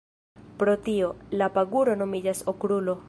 Pro tio, la paguro nomiĝas Okrulo.